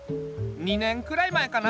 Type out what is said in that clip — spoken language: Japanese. ２年くらい前かな。